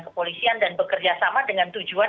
kepolisian dan bekerja sama dengan tujuan